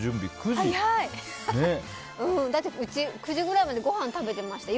うちは９時くらいまでごはん食べてました。